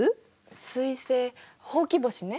彗星ほうき星ね。